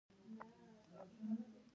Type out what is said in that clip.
زړه د ژوند پټ ځواک دی.